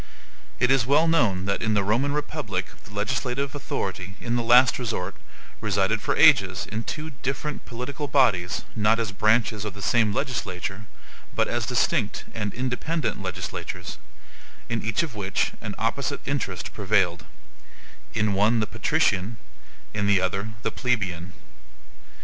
It is well known that in the Roman republic the legislative authority, in the last resort, resided for ages in two different political bodies not as branches of the same legislature, but as distinct and independent legislatures, in each of which an opposite interest prevailed: in one the patrician; in the other, the plebian.